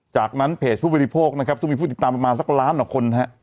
จากนั้นเพจผู้บริโภคนะครับซึ่งมีผู้ติดตามประมาณสักล้านกว่าคนฮะ